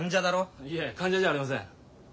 いえ患者じゃありません。